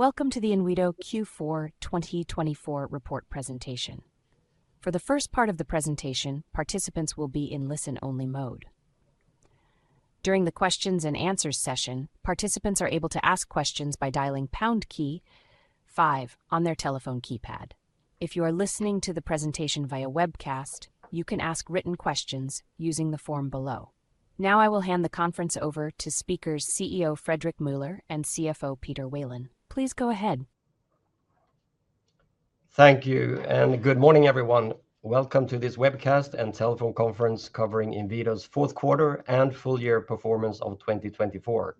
Welcome to the Inwido Q4 2024 Report Presentation. For the first part of the presentation, participants will be in listen-only mode. During the questions and answers session, participants are able to ask questions by dialing pound key five on their telephone keypad. If you are listening to the presentation via webcast, you can ask written questions using the form below. Now I will hand the conference over to our CEO Fredrik Meuller and CFO Peter Welin. Please go ahead. Thank you, and good morning everyone. Welcome to this webcast and telephone conference covering Inwido's fourth quarter and full-year performance of 2024.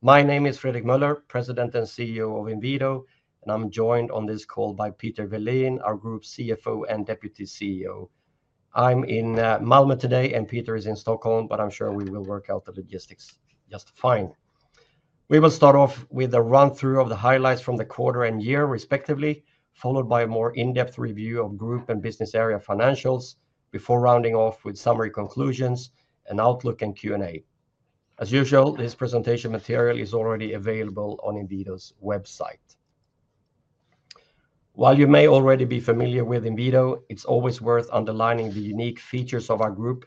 My name is Fredrik Meuller, President and CEO of Inwido, and I'm joined on this call by Peter Welin, our Group CFO and Deputy CEO. I'm in Malmö today, and Peter is in Stockholm, but I'm sure we will work out the logistics just fine. We will start off with a run-through of the highlights from the quarter and year, respectively, followed by a more in-depth review of Group and Business Area financials before rounding off with summary conclusions, an outlook, and Q&A. As usual, this presentation material is already available on Inwido's website. While you may already be familiar with Inwido, it's always worth underlining the unique features of our group,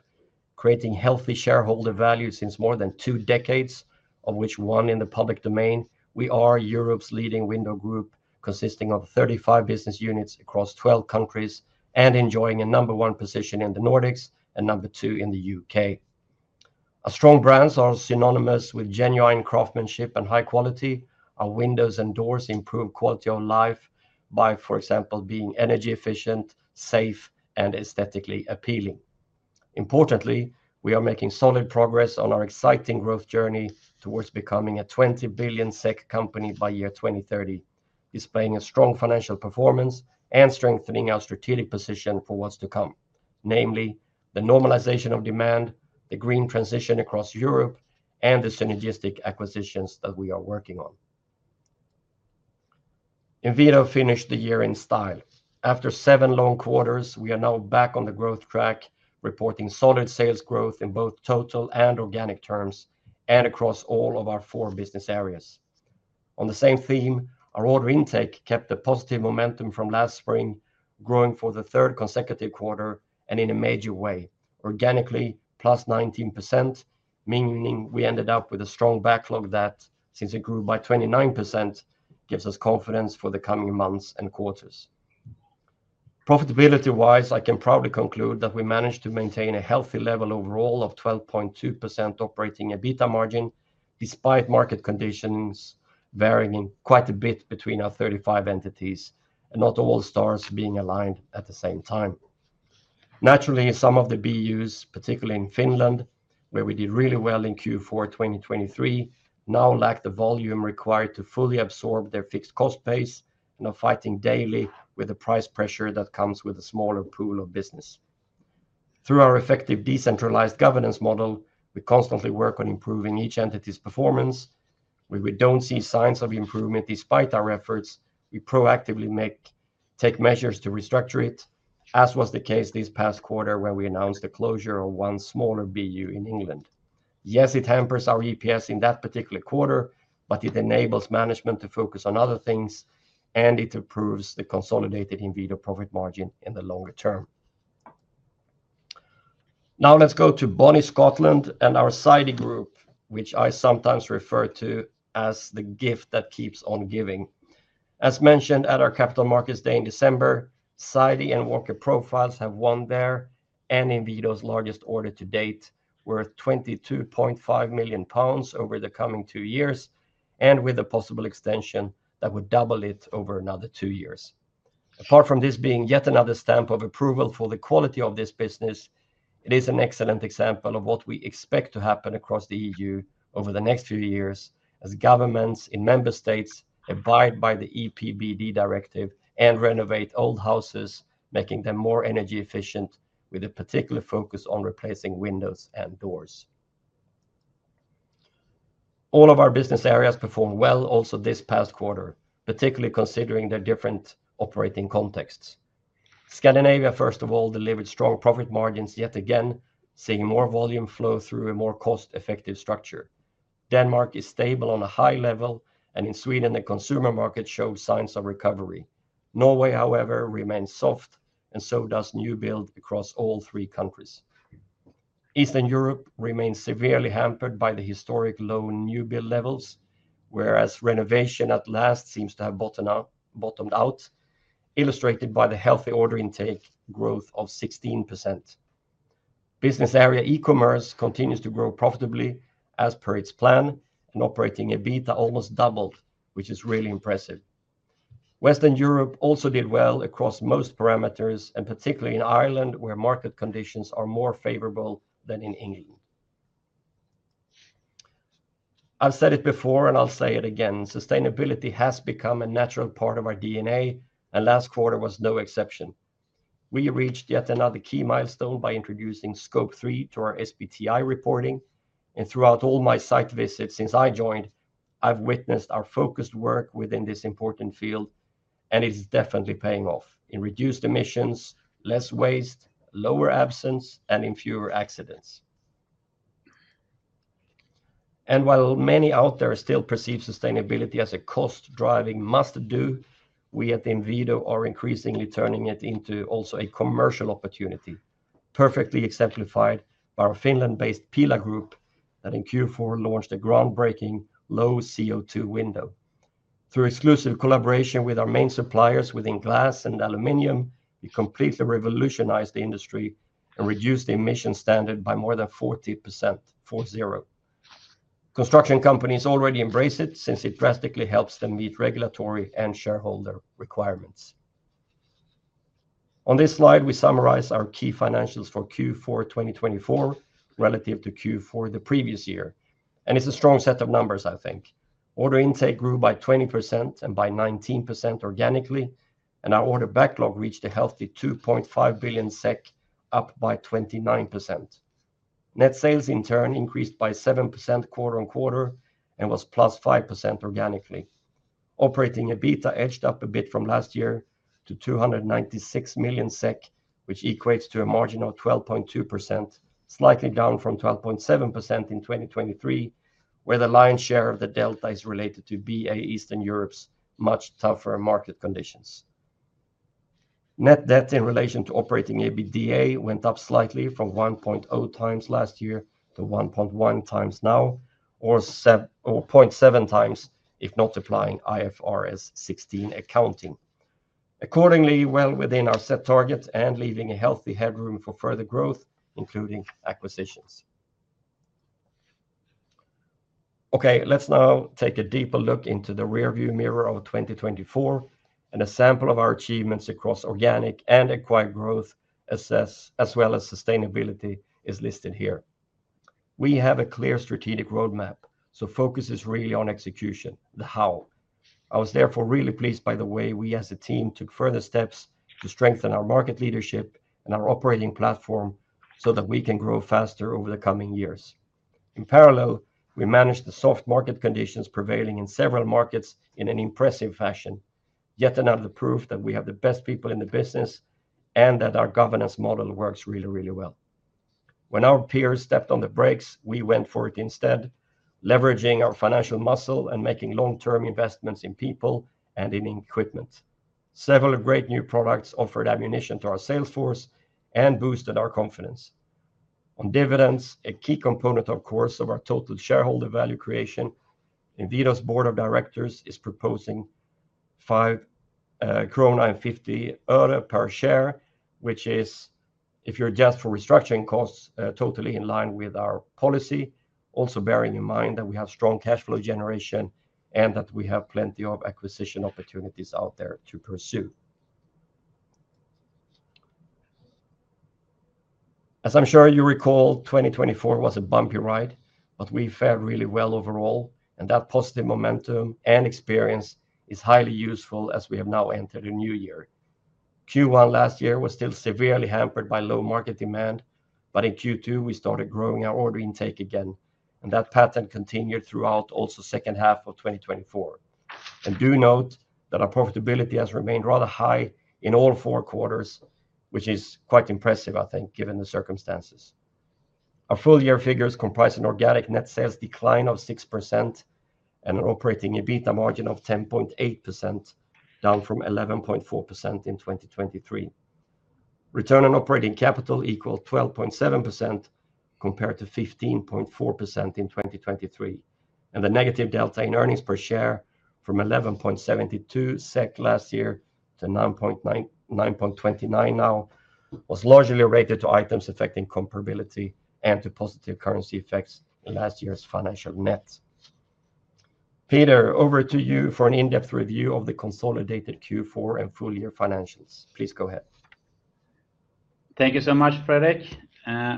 creating healthy shareholder value since more than two decades, of which one in the public domain. We are Europe's leading window group, consisting of 35 business units across 12 countries, and enjoying a number one position in the Nordics and number two in the U.K.. Our strong brands are synonymous with genuine craftsmanship and high quality. Our windows and doors improve quality of life by, for example, being energy efficient, safe, and aesthetically appealing. Importantly, we are making solid progress on our exciting growth journey towards becoming a 20 billion SEK company by year 2030, Displaying a strong financial performance and strengthening our strategic position for what's to come, namely the normalization of demand, the green transition across Europe, and the synergistic acquisitions that we are working on. Inwido finished the year in style. After seven long quarters, we are now back on the growth track, reporting solid sales growth in both total and organic terms and across all of our four business areas. On the same theme, our order intake kept a positive momentum from last spring, growing for the third consecutive quarter and in a major way, organically 19%+, meaning we ended up with a strong backlog that, since it grew by 29%, gives us confidence for the coming months and quarters. Profitability-wise, I can proudly conclude that we managed to maintain a healthy level overall of 12.2% operating EBITDA margin, despite market conditions varying quite a bit between our 35 entities and not all stars being aligned at the same time. Naturally, some of the BUs, particularly in Finland, where we did really well in Q4 2023, now lack the volume required to fully absorb their fixed cost base and are fighting daily with the price pressure that comes with a smaller pool of business. Through our effective decentralized governance model, we constantly work on improving each entity's performance. Where we don't see signs of improvement despite our efforts, we proactively take measures to restructure it, as was the case this past quarter when we announced the closure of one smaller BU in England. Yes, it hampers our EPS in that particular quarter, but it enables management to focus on other things, and it improves the consolidated Inwido profit margin in the longer term. Now let's go to Bonnie Scotland and our Sidey Group, which I sometimes refer to as the gift that keeps on giving. As mentioned at our Capital Markets Day in December, Sidey and Walker Profiles have won their and Inwido's largest order to date, worth 22.5 million pounds over the coming two years, and with a possible extension that would double it over another two years. Apart from this being yet another stamp of approval for the quality of this business, it is an excellent example of what we expect to happen across the E.U. over the next few years as governments in member states abide by the EPBD directive and renovate old houses, making them more energy efficient, with a particular focus on replacing windows and doors. All of our business areas performed well also this past quarter, particularly considering their different operating contexts. Scandinavia, first of all, delivered strong profit margins yet again, seeing more volume flow through a more cost-effective structure. Denmark is stable on a high level, and in Sweden, the consumer market showed signs of recovery. Norway, however, remains soft, and so does new build across all three countries. Eastern Europe remains severely hampered by the historic low new build levels, whereas renovation at last seems to have bottomed out, illustrated by the healthy order intake growth of 16%. Business area e-commerce continues to grow profitably as per its plan, and operating EBITDA almost doubled, which is really impressive. Western Europe also did well across most parameters, and particularly in Ireland, where market conditions are more favorable than in England. I've said it before, and I'll say it again: sustainability has become a natural part of our DNA, and last quarter was no exception. We reached yet another key milestone by introducing Scope 3 to our SBTi reporting, and throughout all my site visits since I joined, I've witnessed our focused work within this important field, and it's definitely paying off in reduced emissions, less waste, lower absence, and in fewer accidents. While many out there still perceive sustainability as a cost-driving must-do, we at Inwido are increasingly turning it into also a commercial opportunity, perfectly exemplified by our Finland-based Pihla Group that in Q4 launched a groundbreaking low CO2 window. Through exclusive collaboration with our main suppliers within glass and aluminum, we completely revolutionized the industry and reduced the emission standard by more than 40%, four-zero. Construction companies already embrace it since it drastically helps them meet regulatory and shareholder requirements. On this slide, we summarize our key financials for Q4 2024 relative to Q4 the previous year, and it's a strong set of numbers, I think. Order intake grew by 20% and by 19% organically, and our order backlog reached a healthy 2.5 billion SEK, up by 29%. Net sales, in turn, increased by 7% quarter-on-quarter and was 5%+ organically. Operating EBITDA edged up a bit from last year to 296 million SEK, which equates to a margin of 12.2%, slightly down from 12.7% in 2023, where the lion's share of the Delta is related to BA Eastern Europe's much tougher market conditions. Net debt in relation to operating EBITDA went up slightly from 1.0x last year to 1.1x now, or 0.7x if not applying IFRS 16 accounting. Accordingly, well within our set target and leaving a healthy headroom for further growth, including acquisitions. Okay, let's now take a deeper look into the rearview mirror of 2024, and a sample of our achievements across organic and acquired growth, as well as sustainability, is listed here. We have a clear strategic roadmap, so focus is really on execution, the how. I was therefore really pleased by the way we as a team took further steps to strengthen our market leadership and our operating platform so that we can grow faster over the coming years. In parallel, we managed the soft market conditions prevailing in several markets in an impressive fashion, yet another proof that we have the best people in the business and that our governance model works really, really well. When our peers stepped on the brakes, we went for it instead, leveraging our financial muscle and making long-term investments in people and in equipment. Several great new products offered ammunition to our salesforce and boosted our confidence. On dividends, a key component, of course, of our total shareholder value creation, Inwido's board of directors is proposing EUR 5.50 per share, which is, if you're just for restructuring costs, totally in line with our policy, also bearing in mind that we have strong cash flow generation and that we have plenty of acquisition opportunities out there to pursue. As I'm sure you recall, 2024 was a bumpy ride, but we fared really well overall, and that positive momentum and experience is highly useful as we have now entered a new year. Q1 last year was still severely hampered by low market demand, but in Q2 we started growing our order intake again, and that pattern continued throughout also the second half of 2024, and do note that our profitability has remained rather high in all four quarters, which is quite impressive, I think, given the circumstances. Our full-year figures comprise an organic net sales decline of 6% and an Operating EBITDA margin of 10.8%, down from 11.4% in 2023. Return on Operating Capital equaled 12.7% compared to 15.4% in 2023, and the negative Delta in Earnings Per Share from 11.72 SEK last year to 9.29 now was largely related to items affecting comparability and to positive currency effects in last year's financial net. Peter, over to you for an in-depth review of the consolidated Q4 and full-year financials. Please go ahead. Thank you so much, Fredrik.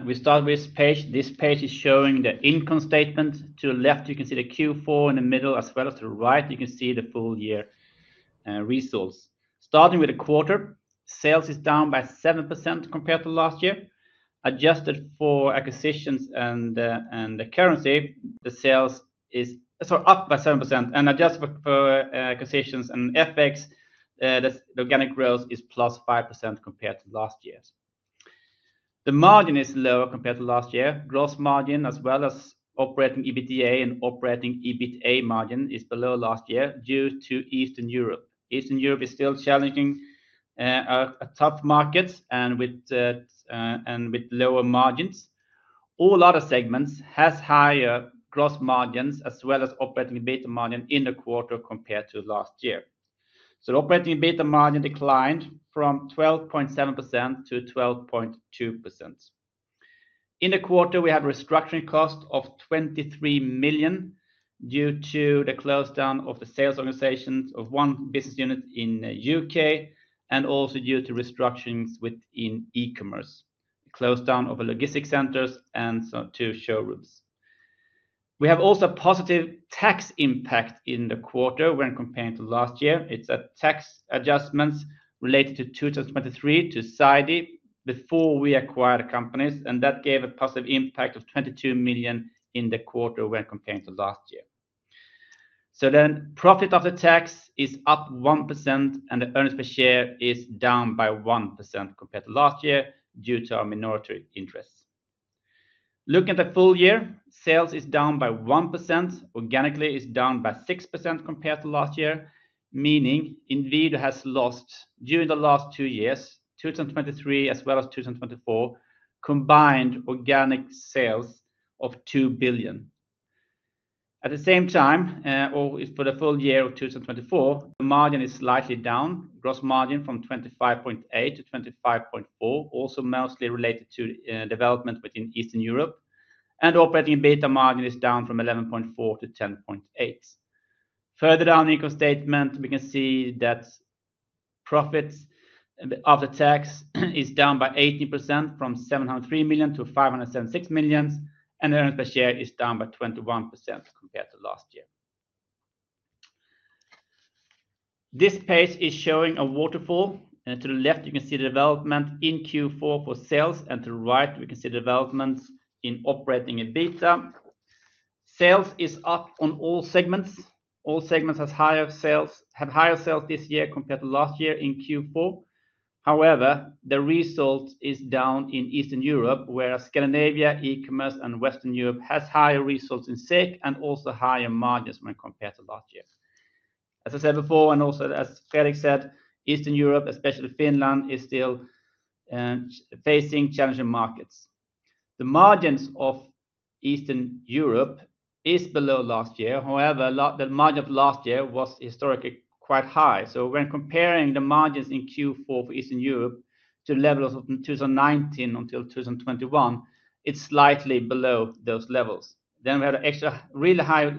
We start with this page. This page is showing the income statement. To the left, you can see the Q4 in the middle, as well as to the right, you can see the full-year results. Starting with the quarter, sales is down by 7% compared to last year. Adjusted for acquisitions and currency, the sales is up by 7%, and adjusted for acquisitions and FX, the organic growth is 5%+ compared to last year. The margin is lower compared to last year. Gross margin, as well as operating EBITDA and operating EBITA margin, is below last year due to Eastern Europe. Eastern Europe is still challenging tough markets and with lower margins. All other segments have higher gross margins as well as operating EBITDA margin in the quarter compared to last year. So the operating EBITDA margin declined from 12.7% to 12.2%. In the quarter, we have a restructuring cost of 23 million due to the close down of the sales organizations of one business unit in the U.K. and also due to restructurings within e-commerce, the close down of the logistics centers and two showrooms. We have also a positive tax impact in the quarter when compared to last year. It's a tax adjustment related to 2023 to Sidey before we acquired the companies, and that gave a positive impact of 22 million in the quarter when compared to last year. Profit after tax is up 1%, and the earnings per share is down by 1% compared to last year due to our minority interest. Looking at the full year, sales is down by 1%. Organically is down by 6% compared to last year, meaning Inwido has lost during the last two years, 2023 as well as 2024, combined organic sales of 2 billion. At the same time, or for the full year of 2024, the margin is slightly down. Gross margin from 25.8 to 25.4, also mostly related to development within Eastern Europe, and operating EBITDA margin is down from 11.4 to 10.8. Further down the income statement, we can see that profit after tax is down by 18% from 703 million - 576 million, and earnings per share is down by 21% compared to last year. This page is showing a waterfall. To the left, you can see the development in Q4 for sales, and to the right, we can see the development in operating EBITDA. Sales is up on all segments. All segments have higher sales this year compared to last year in Q4. However, the result is down in Eastern Europe, whereas Scandinavia, e-commerce, and Western Europe have higher results in SEK and also higher margins when compared to last year. As I said before, and also as Fredrik said, Eastern Europe, especially Finland, is still facing challenging markets. The margins of Eastern Europe are below last year. However, the margin of last year was historically quite high, so when comparing the margins in Q4 for Eastern Europe to levels of 2019 until 2021, it's slightly below those levels, then we had extra really high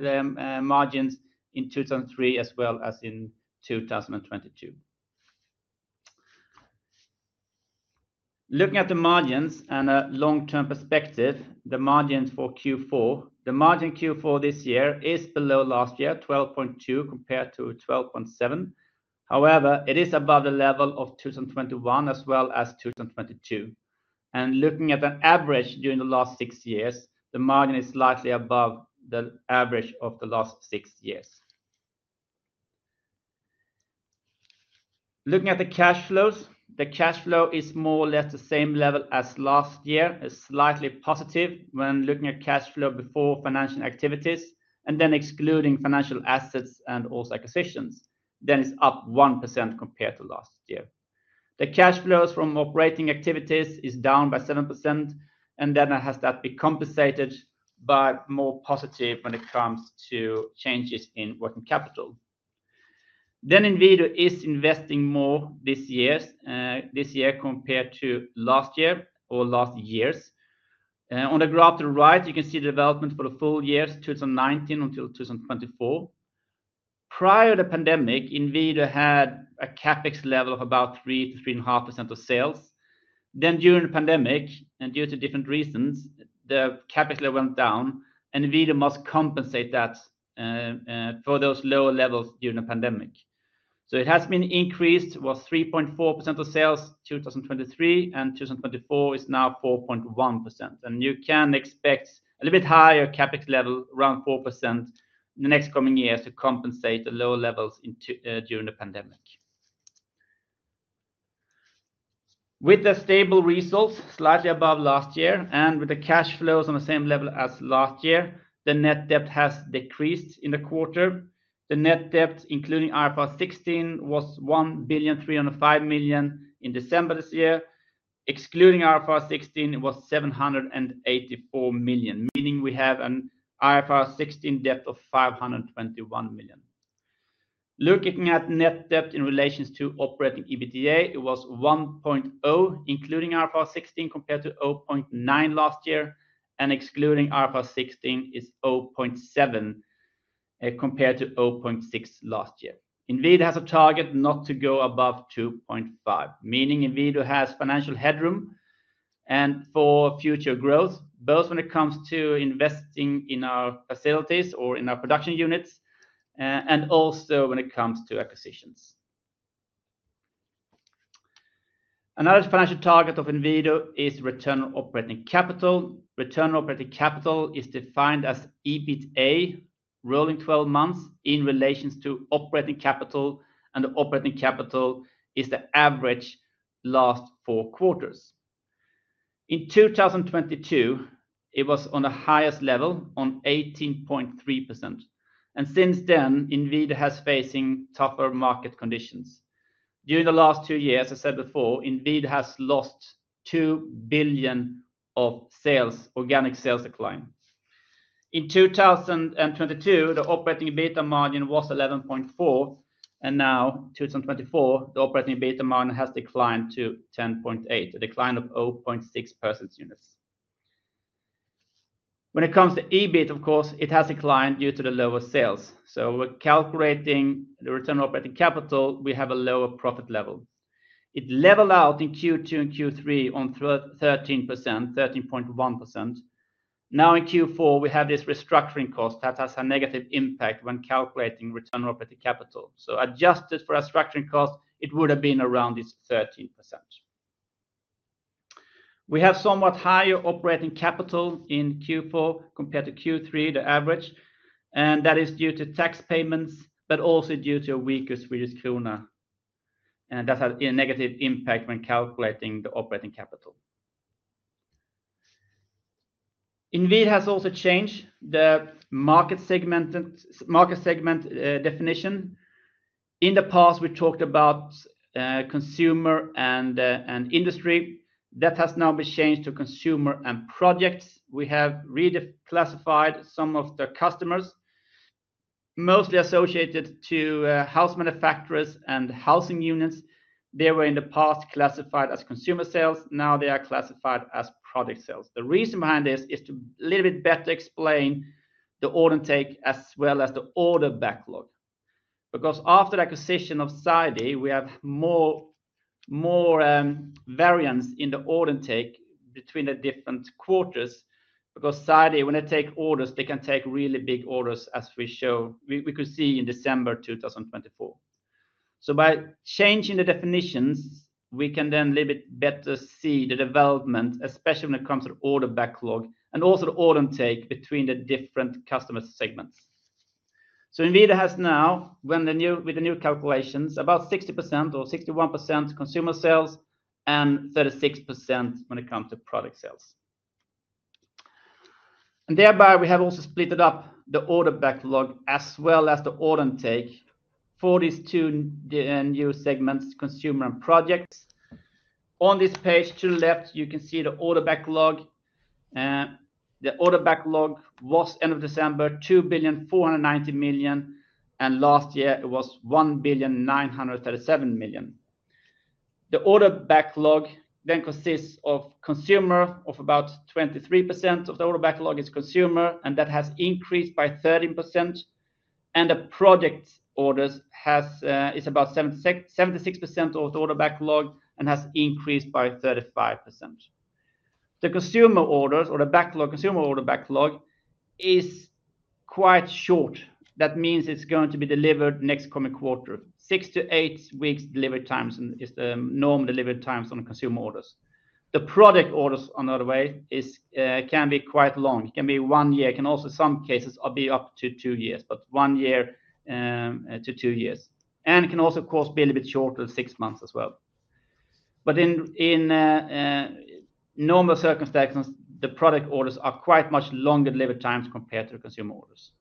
margins in 2023 as well as in 2022. Looking at the margins and a long-term perspective, the margins for Q4, the margin Q4 this year is below last year, 12.2% compared to 12.7%. However, it is above the level of 2021 as well as 2022. Looking at the average during the last six years, the margin is slightly above the average of the last six years. Looking at the cash flows, the cash flow is more or less the same level as last year. It's slightly positive when looking at cash flow before financial activities, and then excluding financial assets and also acquisitions. Then it's up 1% compared to last year. The cash flows from operating activities are down by 7%, and then it has that been compensated by more positive when it comes to changes in working capital. Then Inwido is investing more this year compared to last year or last years. On the graph to the right, you can see the development for the full years, 2019 until 2024. Prior to the pandemic, Inwido had a CapEx level of about 3%-3.5% of sales. Then during the pandemic, and due to different reasons, the CapEx level went down, and Inwido must compensate that for those lower levels during the pandemic. So it has been increased. It was 3.4% of sales in 2023, and 2024 is now 4.1%, and you can expect a little bit higher CapEx level, around 4%, in the next coming years to compensate the lower levels during the pandemic. With the stable results, slightly above last year, and with the cash flows on the same level as last year, the net debt has decreased in the quarter. The net debt, including IFRS 16, was 1.305 million in December this year. Excluding IFRS 16, it was 784 million, meaning we have an IFRS 16 debt of 521 million. Looking at net debt in relation to operating EBITDA, it was 1.0, including IFRS 16, compared to 0.9 last year, and excluding IFRS 16, it's 0.7 compared to 0.6 last year. Inwido has a target not to go above 2.5, meaning Inwido has financial headroom for future growth, both when it comes to investing in our facilities or in our production units, and also when it comes to acquisitions. Another financial target of Inwido is return on operating capital. Return on operating capital is defined as EBITDA rolling 12 months in relation to operating capital, and the operating capital is the average last four quarters. In 2022, it was on the highest level on 18.3%, and since then, Inwido has been facing tougher market conditions. During the last two years, as I said before, Inwido has lost €2 billion of sales, organic sales decline. In 2022, the operating EBITDA margin was 11.4, and now, in 2024, the operating EBITDA margin has declined to 10.8, a decline of 0.6 percentage points. When it comes to EBIT, of course, it has declined due to the lower sales, so we're calculating the return on operating capital. We have a lower profit level. It leveled out in Q2 and Q3 on 13%, 13.1%. Now in Q4, we have this restructuring cost that has a negative impact when calculating return on operating capital, so adjusted for a restructuring cost, it would have been around this 13%. We have somewhat higher operating capital in Q4 compared to Q3, the average, and that is due to tax payments, but also due to a weaker Swedish Krona, and that had a negative impact when calculating the operating capital. Inwido has also changed the market segment definition. In the past, we talked about consumer and industry. That has now been changed to consumer and projects. We have reclassified some of the customers, mostly associated with house manufacturers and housing units. They were in the past classified as consumer sales. Now they are classified as project sales. The reason behind this is to a little bit better explain the order intake as well as the order backlog, because after the acquisition of Sidey, we have more variance in the order intake between the different quarters, because Sidey, when they take orders, they can take really big orders, as we could see in December 2024, so by changing the definitions, we can then a little bit better see the development, especially when it comes to the order backlog and also the order intake between the different customer segments. Inwido has now, with the new calculations, about 60% or 61% consumer sales and 36% when it comes to project sales. And thereby, we have also split up the order backlog as well as the order intake for these two new segments, consumer and projects. On this page to the left, you can see the order backlog. The order backlog was end of December, 2.490 million, and last year it was 1.937 million. The order backlog then consists of consumer of about 23% of the order backlog is consumer, and that has increased by 13%. And the project orders is about 76% of the order backlog and has increased by 35%. The consumer orders, or the backlog, consumer order backlog is quite short. That means it's going to be delivered next coming quarter. Six to eight weeks delivery times is the normal delivery times on consumer orders. The project orders, another way, can be quite long. It can be one year. It can also, in some cases, be up to two years, but one year to two years. It can also, of course, be a little bit shorter, six months as well. But in normal circumstances, the product orders are quite much longer delivery times compared to consumer orders.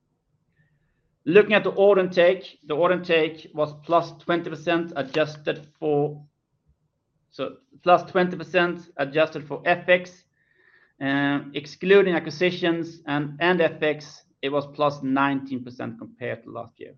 Looking at the order intake, the order intake was +20% adjusted for, so +20% adjusted for FX. Excluding acquisitions and FX, it was 19%+ compared to last year.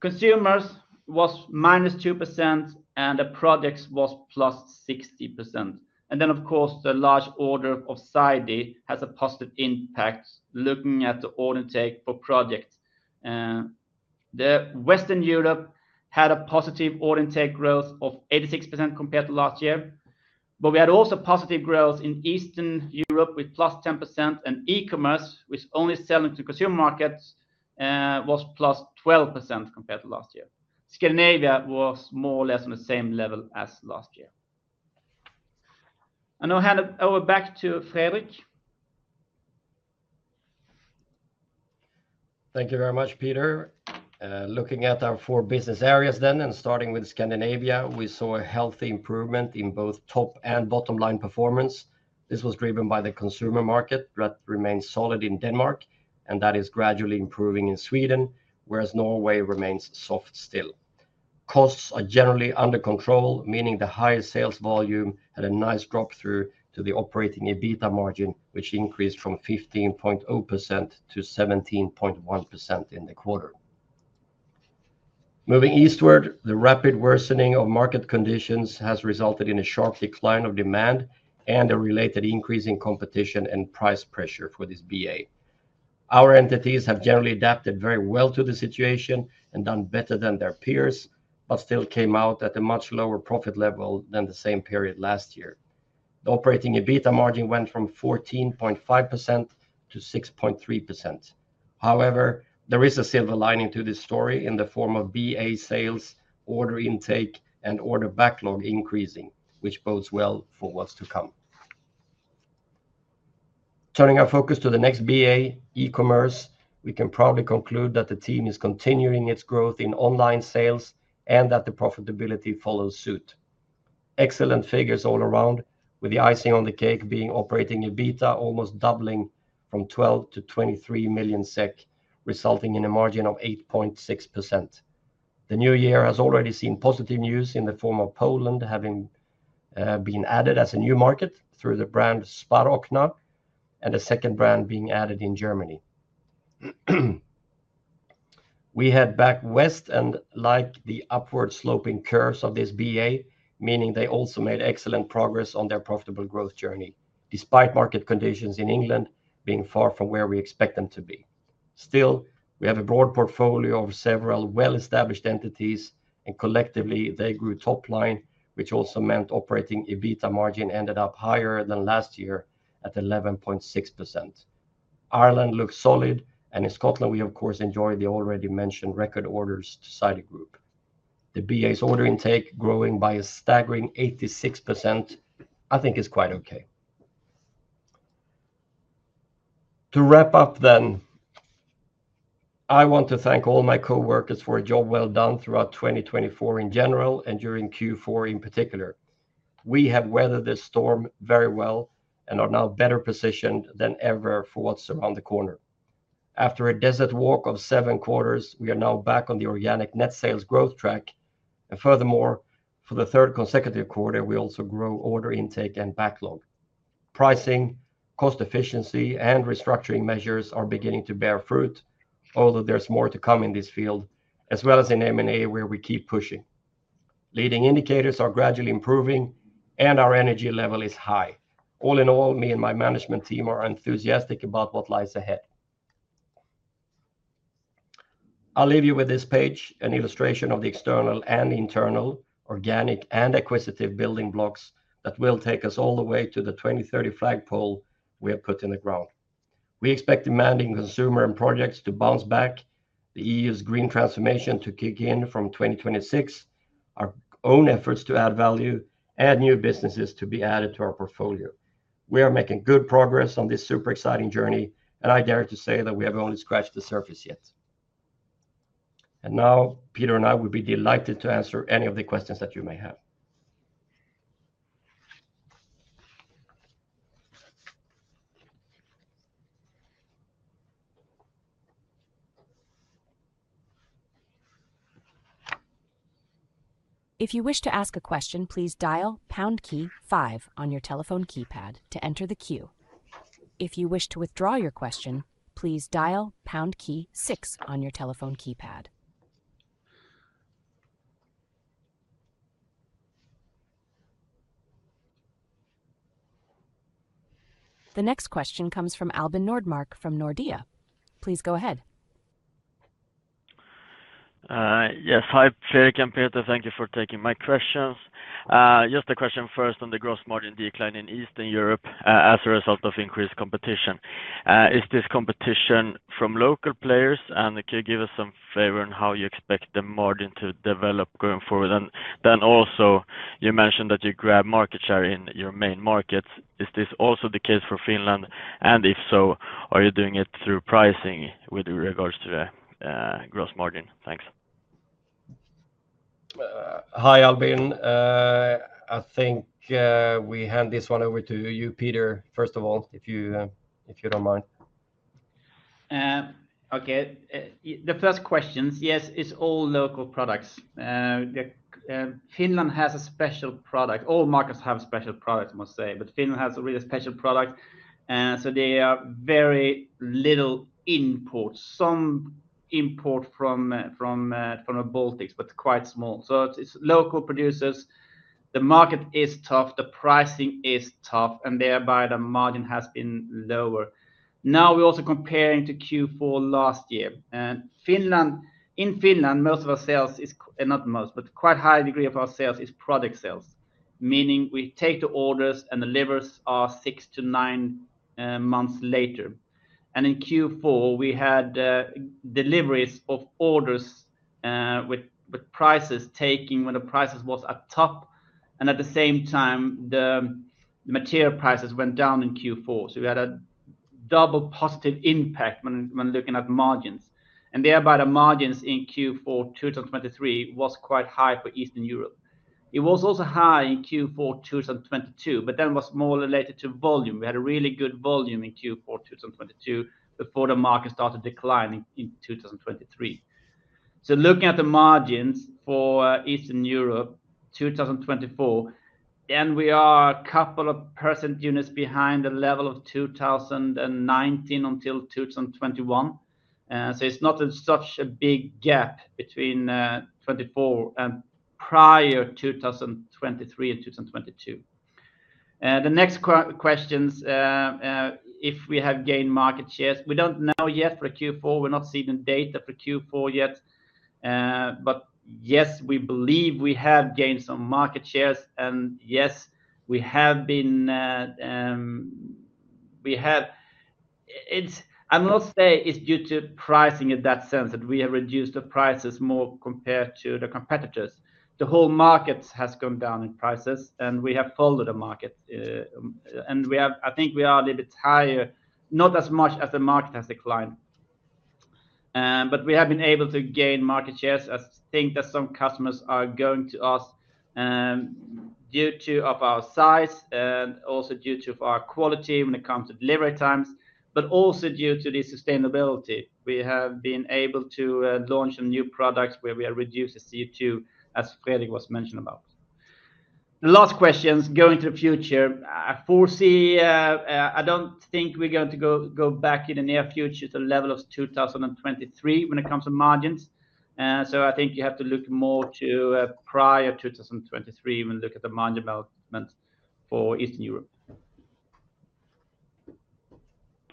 Consumers was -2%, and the projects was +60%. Then, of course, the large order of Sidey has a positive impact looking at the order intake for projects. The Western Europe had a positive order intake growth of 86% compared to last year. But we had also positive growth in Eastern Europe with +10%, and e-commerce, which is only selling to consumer markets, was +12% compared to last year. Scandinavia was more or less on the same level as last year. And I'll hand it over back to Fredrik. Thank you very much, Peter. Looking at our four business areas then, and starting with Scandinavia, we saw a healthy improvement in both top and bottom line performance. This was driven by the consumer market that remains solid in Denmark, and that is gradually improving in Sweden, whereas Norway remains soft still. Costs are generally under control, meaning the highest sales volume had a nice drop through to the Operating EBITDA margin, which increased from 15.0% - 17.1% in the quarter. Moving eastward, the rapid worsening of market conditions has resulted in a sharp decline of demand and a related increase in competition and price pressure for this BA. Our entities have generally adapted very well to the situation and done better than their peers, but still came out at a much lower profit level than the same period last year. The Operating EBITDA margin went from 14.5% - 6.3%. However, there is a silver lining to this story in the form of BA sales, order intake, and order backlog increasing, which bodes well for what's to come. Turning our focus to the next BA, e-commerce, we can proudly conclude that the team is continuing its growth in online sales and that the profitability follows suit. Excellent figures all around, with the icing on the cake being operating EBITDA almost doubling from 12 million - 23 million SEK, resulting in a margin of 8.6%. The new year has already seen positive news in the form of Poland having been added as a new market through the brand SparOkna, and a second brand being added in Germany. We head back west and like the upward sloping curves of this BA, meaning they also made excellent progress on their profitable growth journey, despite market conditions in England being far from where we expect them to be. Still, we have a broad portfolio of several well-established entities, and collectively, they grew top line, which also meant operating EBITDA margin ended up higher than last year at 11.6%. Ireland looks solid, and in Scotland, we, of course, enjoy the already mentioned record orders to Sidey Group. The BA's order intake, growing by a staggering 86%, I think, is quite okay. To wrap up then, I want to thank all my coworkers for a job well done throughout 2024 in general and during Q4 in particular. We have weathered this storm very well and are now better positioned than ever for what's around the corner. After a desert walk of seven quarters, we are now back on the organic net sales growth track, and furthermore, for the third consecutive quarter, we also grow order intake and backlog. Pricing, cost efficiency, and restructuring measures are beginning to bear fruit, although there's more to come in this field, as well as in M&A where we keep pushing. Leading indicators are gradually improving, and our energy level is high. All in all, me and my management team are enthusiastic about what lies ahead. I'll leave you with this page, an illustration of the external and internal, organic and acquisitive building blocks that will take us all the way to the 2030 flagpole we have put in the ground. We expect demand in consumer and projects to bounce back, the EU's green transformation to kick in from 2026, our own efforts to add value, and new businesses to be added to our portfolio. We are making good progress on this super exciting journey, and I dare to say that we have only scratched the surface yet. And now, Peter and I will be delighted to answer any of the questions that you may have. If you wish to ask a question, please dial pound key five on your telephone keypad to enter the queue. If you wish to withdraw your question, please dial pound key six on your telephone keypad. The next question comes from Albin Nordmark from Nordea. Please go ahead. Yes, hi, Fredrik Meuller, thank you for taking my questions. Just a question first on the gross margin decline in Eastern Europe as a result of increased competition. Is this competition from local players? And can you give us some flavor on how you expect the margin to develop going forward? And then also, you mentioned that you grab market share in your main markets. Is this also the case for Finland? And if so, are you doing it through pricing with regards to the gross margin? Thanks. Hi, Albin. I think we hand this one over to you, Peter, first of all, if you don't mind. Okay, the first questions, yes, it's all local products. Finland has a special product. All markets have special products, I must say, but Finland has a really special product. So they are very little imports, some import from the Baltics, but quite small. So it's local producers. The market is tough, the pricing is tough, and thereby the margin has been lower. Now we're also comparing to Q4 last year. In Finland, most of our sales is not most, but quite a high degree of our sales is product sales, meaning we take the orders and delivers six to nine months later. And in Q4, we had deliveries of orders with prices taking when the prices were at top. And at the same time, the material prices went down in Q4. So we had a double positive impact when looking at margins. And thereby the margins in Q4 2023 was quite high for Eastern Europe. It was also high in Q4 2022, but then was more related to volume. We had a really good volume in Q4 2022 before the market started declining in 2023. So, looking at the margins for Eastern Europe 2024, we are a couple of percentage points behind the level of 2019 until 2021. So, it's not such a big gap between 2024 and prior 2023 and 2022. The next question is, if we have gained market shares, we don't know yet for Q4. We're not seeing data for Q4 yet. But yes, we believe we have gained some market shares. And yes, we have been. I must say, it's due to pricing in that sense that we have reduced the prices more compared to the competitors. The whole market has gone down in prices, and we have followed the market. And I think we are a little bit higher, not as much as the market has declined. But we have been able to gain market shares. I think that some customers are going to us due to our size and also due to our quality when it comes to delivery times, but also due to the sustainability. We have been able to launch some new products where we have reduced the CO2, as Fredrik was mentioning about. The last questions going to the future, I foresee, I don't think we're going to go back in the near future to the level of 2023 when it comes to margins. So I think you have to look more to prior 2023 when looking at the margin development for Eastern Europe.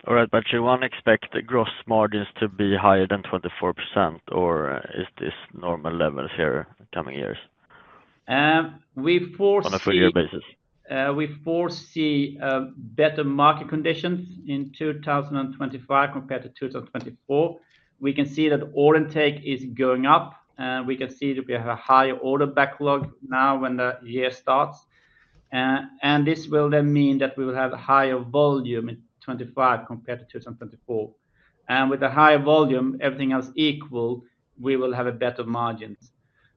All right, but you won't expect the gross margins to be higher than 24%, or is this normal levels here coming years? On a four-year basis. We foresee better market conditions in 2025 compared to 2024. We can see that order intake is going up, and we can see that we have a higher order backlog now when the year starts, and this will then mean that we will have a higher volume in 2025 compared to 2024, and with a higher volume, everything else equal, we will have better margins.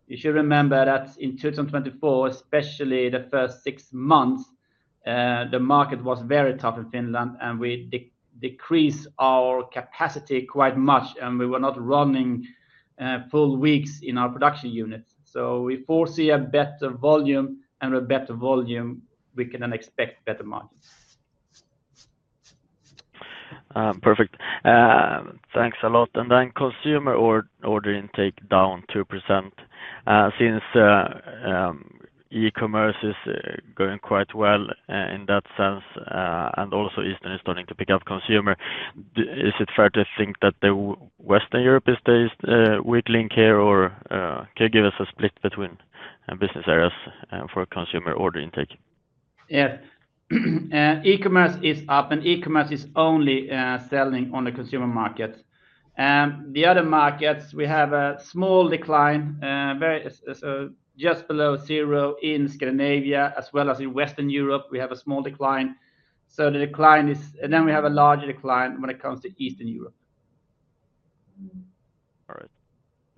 You should remember that in 2024, especially the first six months, the market was very tough in Finland, and we decreased our capacity quite much, and we were not running full weeks in our production units, so we foresee a better volume, and with better volume, we can then expect better margins. Perfect. Thanks a lot, and then consumer order intake down 2%. Since e-commerce is going quite well in that sense, and also Eastern is starting to pick up consumer, is it fair to think that Western Europe is the weak link here, or can you give us a split between business areas for consumer order intake? Yes. E-commerce is up, and e-commerce is only selling on the consumer market. The other markets, we have a small decline, just below zero in Scandinavia, as well as in Western Europe, we have a small decline. So the decline is, and then we have a larger decline when it comes to Eastern Europe. All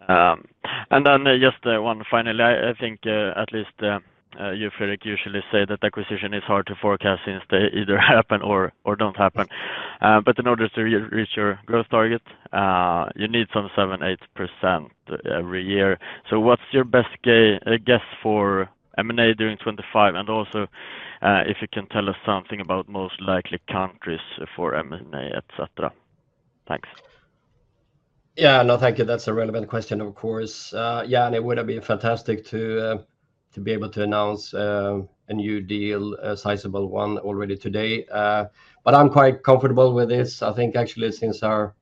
right. And then just one finally, I think at least you, Fredrik, usually say that acquisition is hard to forecast since they either happen or don't happen. But in order to reach your growth target, you need some 7%, 8% every year. So what's your best guess for M&A during 2025? And also, if you can tell us something about most likely countries for M&A, etc. Thanks. Yeah, no, thank you. That's a relevant question, of course. Yeah, and it would have been fantastic to be able to announce a new deal, a sizable one already today. But I'm quite comfortable with this. I think actually since our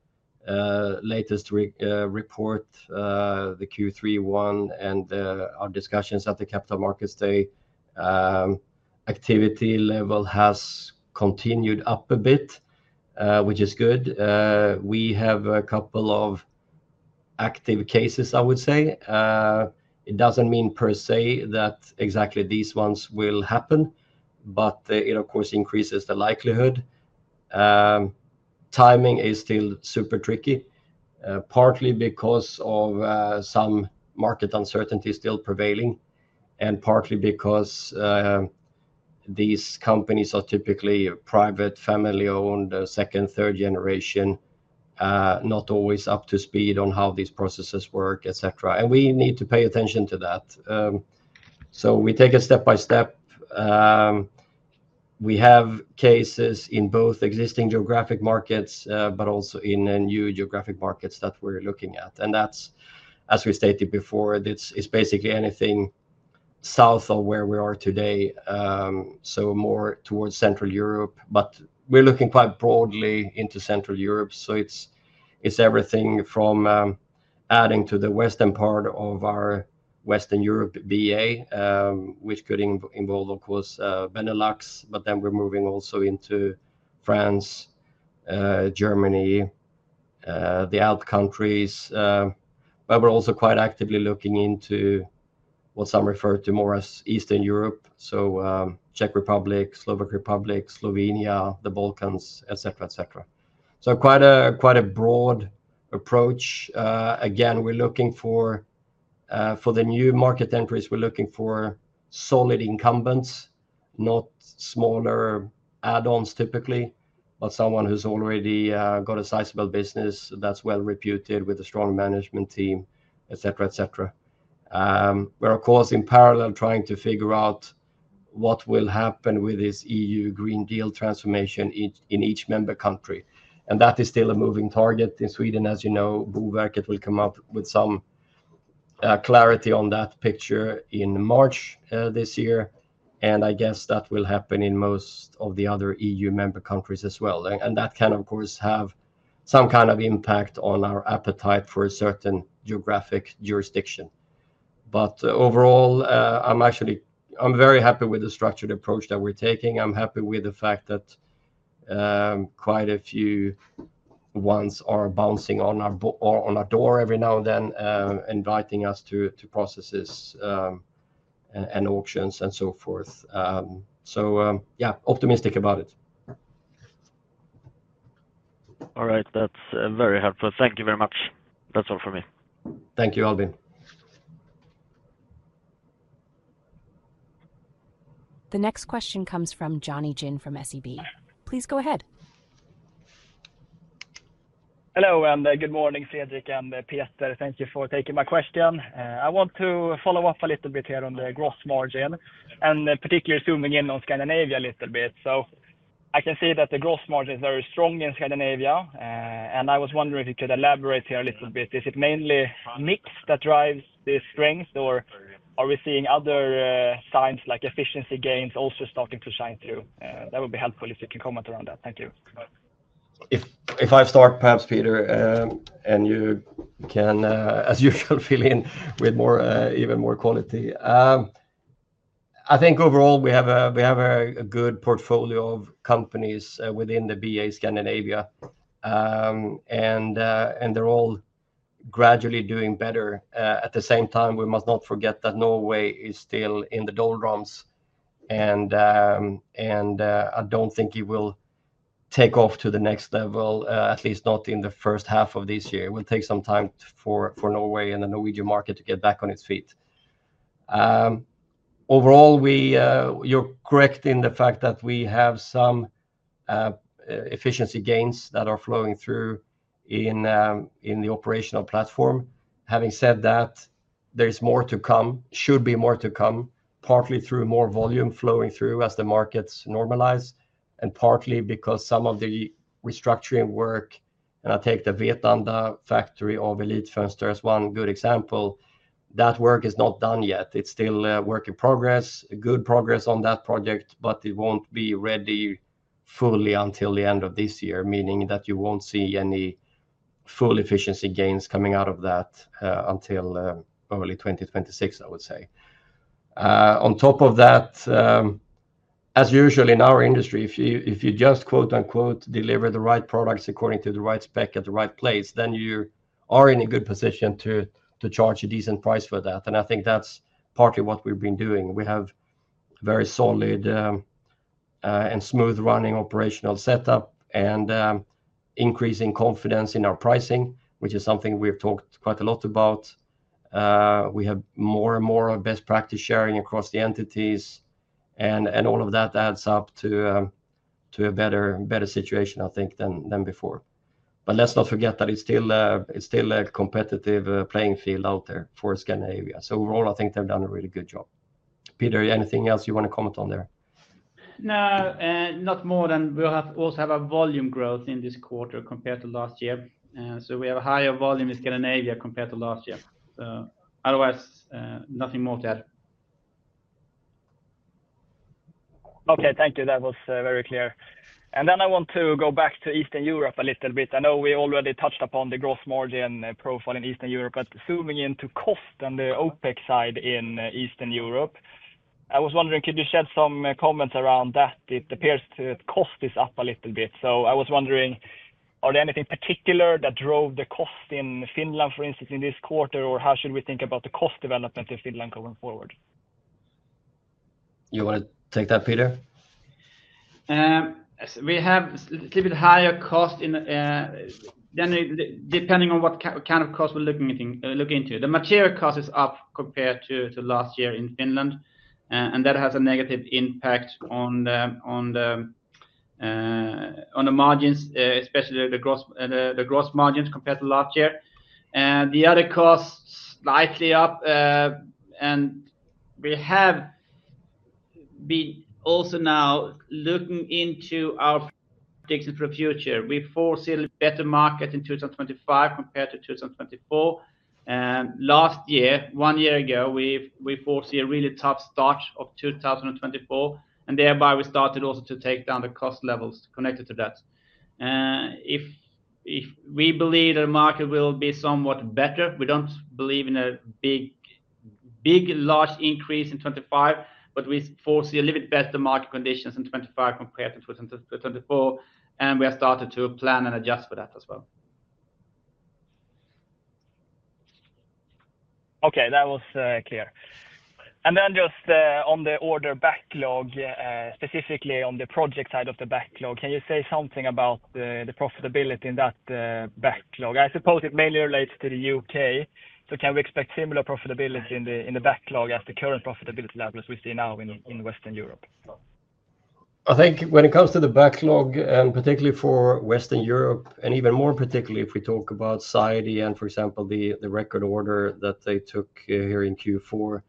latest report, the Q3 one, and our discussions at the capital markets, the activity level has continued up a bit, which is good. We have a couple of active cases, I would say. It doesn't mean per se that exactly these ones will happen, but it, of course, increases the likelihood. Timing is still super tricky, partly because of some market uncertainty still prevailing, and partly because these companies are typically private, family-owned, second, third generation, not always up to speed on how these processes work, etc. And we need to pay attention to that. So we take it step by step. We have cases in both existing geographic markets, but also in new geographic markets that we're looking at. And that's, as we stated before, it's basically anything south of where we are today, so more towards Central Europe. But we're looking quite broadly into Central Europe. So it's everything from adding to the western part of our Western Europe BA, which could involve, of course, Benelux, but then we're moving also into France, Germany, the other countries. But we're also quite actively looking into what some refer to more as Eastern Europe, so Czech Republic, Slovak Republic, Slovenia, the Balkans, etc., etc. So quite a broad approach. Again, we're looking for the new market entries, we're looking for solid incumbents, not smaller add-ons typically, but someone who's already got a sizable business that's well reputed with a strong management team, etc., etc. We're, of course, in parallel trying to figure out what will happen with this EU Green Deal transformation in each member country. And that is still a moving target. In Sweden, as you know, Boverket will come up with some clarity on that picture in March this year. And I guess that will happen in most of the other EU member countries as well. And that can, of course, have some kind of impact on our appetite for a certain geographic jurisdiction. But overall, I'm very happy with the structured approach that we're taking. I'm happy with the fact that quite a few ones are bouncing on our door every now and then, inviting us to processes and auctions and so forth. So yeah, optimistic about it. All right, that's very helpful. Thank you very much. That's all for me. Thank you, Albin. The next question comes from Jonny Jin from SEB. Please go ahead. Hello, and good morning, Fredrik and Peter. Thank you for taking my question. I want to follow up a little bit here on the gross margin, and particularly zooming in on Scandinavia a little bit. So I can see that the gross margin is very strong in Scandinavia, and I was wondering if you could elaborate here a little bit. Is it mainly mix that drives this strength, or are we seeing other signs like efficiency gains also starting to shine through? That would be helpful if you can comment around that. Thank you. If I start, perhaps, Peter, and you can, as usual, fill in with even more quality. I think overall, we have a good portfolio of companies within the BA Scandinavia, and they're all gradually doing better. At the same time, we must not forget that Norway is still in the doldrums. I don't think it will take off to the next level, at least not in the first half of this year. It will take some time for Norway and the Norwegian market to get back on its feet. Overall, you're correct in the fact that we have some efficiency gains that are flowing through in the operational platform. Having said that, there is more to come, should be more to come, partly through more volume flowing through as the markets normalize, and partly because some of the restructuring work, and I take the Vetlanda factory of Elitfönster one good example, that work is not done yet. It's still a work in progress, good progress on that project, but it won't be ready fully until the end of this year, meaning that you won't see any full efficiency gains coming out of that until early 2026, I would say. On top of that, as usual in our industry, if you just quote unquote deliver the right products according to the right spec at the right place, then you are in a good position to charge a decent price for that. And I think that's partly what we've been doing. We have very solid and smooth running operational setup and increasing confidence in our pricing, which is something we've talked quite a lot about. We have more and more best practice sharing across the entities, and all of that adds up to a better situation, I think, than before. But let's not forget that it's still a competitive playing field out there for Scandinavia. So overall, I think they've done a really good job. Petr, anything else you want to comment on there? No, not more than we also have a volume growth in this quarter compared to last year. So we have a higher volume in Scandinavia compared to last year. Otherwise, nothing more to add. Okay, thank you. That was very clear. And then I want to go back to Eastern Europe a little bit. I know we already touched upon the gross margin profile in Eastern Europe, but zooming into cost and the OpEx side in Eastern Europe, I was wondering, could you shed some comments around that? It appears that cost is up a little bit. So I was wondering, are there anything particular that drove the cost in Finland, for instance, in this quarter, or how should we think about the cost development in Finland going forward? You want to take that, Peter? We have a little bit higher cost depending on what kind of cost we're looking into. The material cost is up compared to last year in Finland, and that has a negative impact on the margins, especially the gross margins compared to last year. The other costs slightly up, and we have been also now looking into our predictions for the future. We foresee a better market in 2025 compared to 2024. Last year, one year ago, we foresee a really tough start of 2024, and thereby we started also to take down the cost levels connected to that. If we believe that the market will be somewhat better, we don't believe in a big, large increase in 2025, but we foresee a little bit better market conditions in 2025 compared to 2024, and we have started to plan and adjust for that as well. Okay, that was clear. And then just on the order backlog, specifically on the project side of the backlog, can you say something about the profitability in that backlog? I suppose it mainly relates to the U.K. So can we expect similar profitability in the backlog as the current profitability levels we see now in Western Europe? I think when it comes to the backlog, and particularly for Western Europe, and even more particularly if we talk about Sidey and, for example, the record order that they took here in Q4,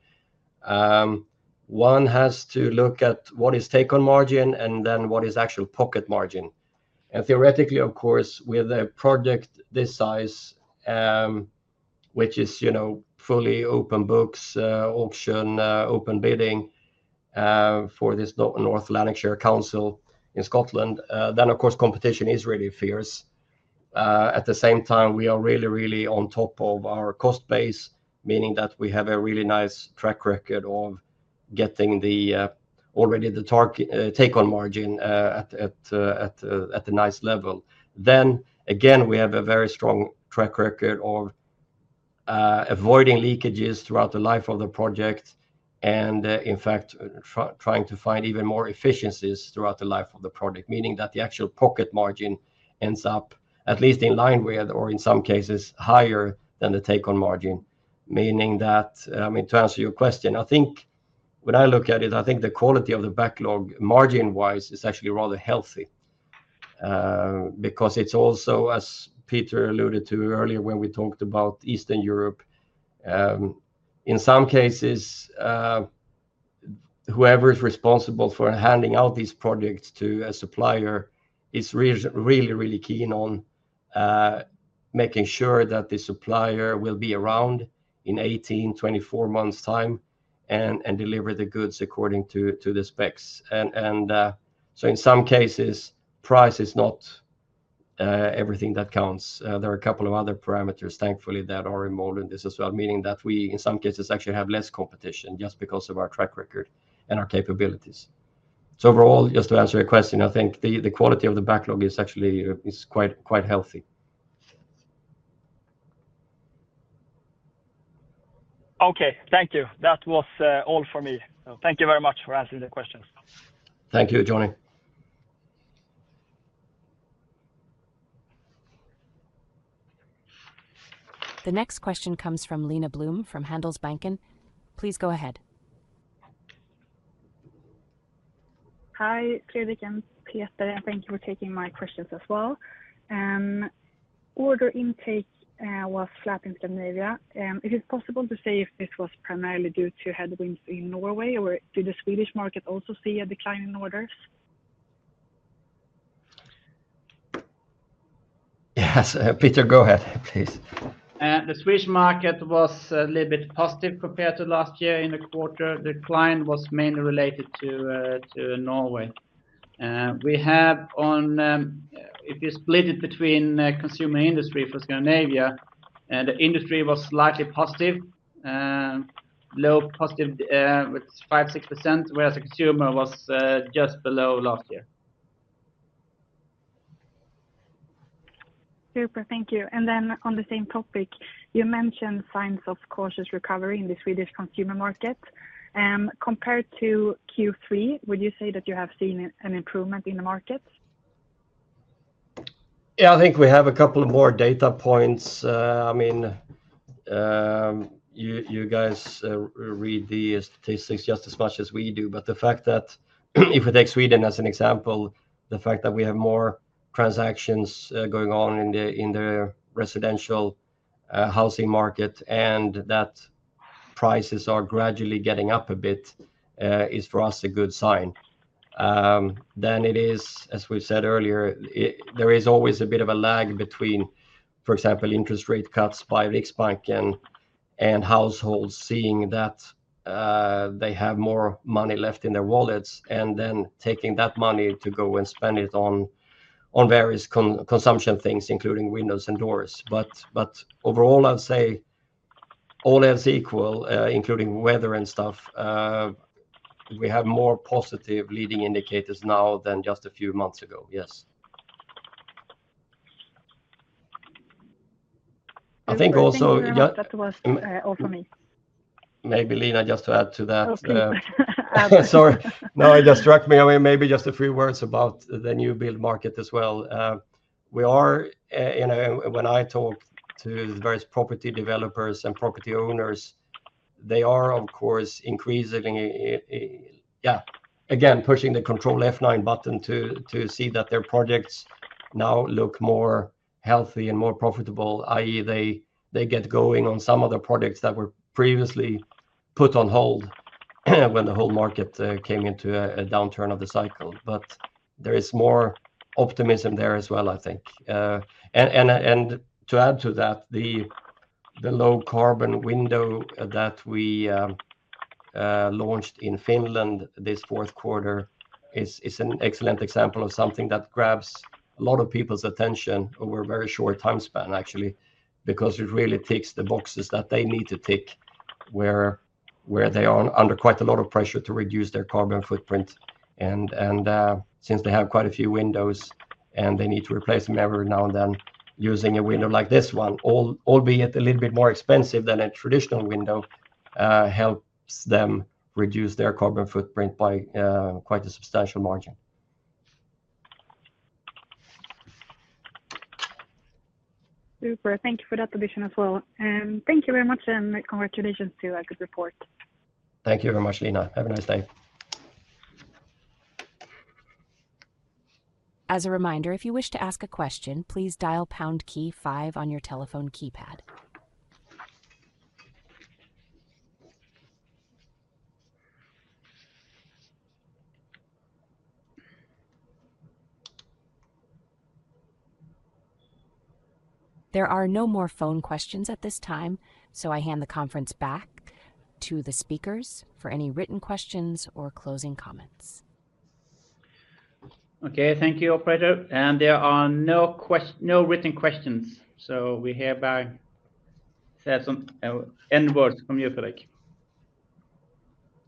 one has to look at what is take-on margin and then what is actual pocket margin. Theoretically, of course, with a project this size, which is fully open books, auction, open bidding for this North Lanarkshire Council in Scotland, then of course competition is really fierce. At the same time, we are really, really on top of our cost base, meaning that we have a really nice track record of getting already the take-on margin at a nice level. Then again, we have a very strong track record of avoiding leakages throughout the life of the project and, in fact, trying to find even more efficiencies throughout the life of the project, meaning that the actual pocket margin ends up at least in line with, or in some cases, higher than the take-on margin. Meaning that, I mean, to answer your question, I think when I look at it, I think the quality of the backlog margin-wise is actually rather healthy because it's also, as Peter alluded to earlier when we talked about Eastern Europe, in some cases, whoever is responsible for handing out these projects to a supplier is really, really keen on making sure that the supplier will be around in 18-24 months' time and deliver the goods according to the specs, and so in some cases, price is not everything that counts. There are a couple of other parameters, thankfully, that are involved in this as well, meaning that we, in some cases, actually have less competition just because of our track record and our capabilities. So overall, just to answer your question, I think the quality of the backlog is actually quite healthy. Okay, thank you. That was all for me. Thank you very much for answering the questions. Thank you, Johnny. The next question comes from Lena Blum from Handelsbanken. Please go ahead. Hi, Fredrik and Peter. Thank you for taking my questions as well. Order intake was flat in Scandinavia. If it's possible to say if this was primarily due to headwinds in Norway, or did the Swedish market also see a decline in orders? Yes, Peter, go ahead, please. The Swedish market was a little bit positive compared to last year in the quarter. The decline was mainly related to Norway. We have, if you split it between consumer industry for Scandinavia, the industry was slightly positive, low positive with 5%-6%, whereas the consumer was just below last year. Super, thank you. And then on the same topic, you mentioned signs of cautious recovery in the Swedish consumer market. Compared to Q3, would you say that you have seen an improvement in the market? Yeah, I think we have a couple more data points. I mean, you guys read the statistics just as much as we do. But the fact that if we take Sweden as an example, the fact that we have more transactions going on in the residential housing market and that prices are gradually getting up a bit is for us a good sign. Then it is, as we said earlier, there is always a bit of a lag between, for example, interest rate cuts by Riksbanken and households seeing that they have more money left in their wallets and then taking that money to go and spend it on various consumption things, including windows and doors. But overall, I'd say all else equal, including weather and stuff, we have more positive leading indicators now than just a few months ago. Yes. I think also that was all for me. Maybe Lena, just to add to that. Sorry. No, it just struck me. I mean, maybe just a few words about the new build market as well. When I talk to various property developers and property owners, they are, of course, increasingly, yeah, again, pushing the control F9 button to see that their projects now look more healthy and more profitable, i.e., they get going on some of the projects that were previously put on hold when the whole market came into a downturn of the cycle, But there is more optimism there as well, I think, and to add to that, the low carbon window that we launched in Finland this fourth quarter is an excellent example of something that grabs a lot of people's attention over a very short time span, actually, because it really ticks the boxes that they need to tick where they are under quite a lot of pressure to reduce their carbon footprint. And since they have quite a few windows and they need to replace them every now and then using a window like this one, albeit a little bit more expensive than a traditional window, helps them reduce their carbon footprint by quite a substantial margin. Super. Thank you for that addition as well. And thank you very much and congratulations to the good report. Thank you very much, Lena. Have a nice day. As a reminder, if you wish to ask a question, please dial pound key five on your telephone keypad. There are no more phone questions at this time, so I hand the conference back to the speakers for any written questions or closing comments. Okay, thank you, Operator. And there are no written questions. So we hear about final words from you, Fredrik.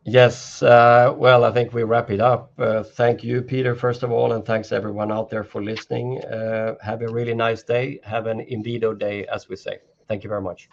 Yes. Well, I think we wrap it up. Thank you, Peter, first of all, and thanks everyone out there for listening. Have a really nice day. Have an Inwido day as we say. Thank you very much.